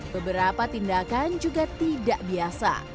beberapa tindakan juga tidak biasa